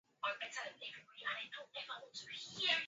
mwenyeji Kisha kupindua mfalme Idris I Muammar al Gaddafi alitawala